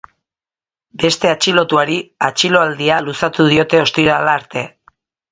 Beste atxilotuari atxiloaldia luzatu diote ostirala arte.